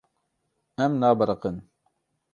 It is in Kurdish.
Em nabiriqin.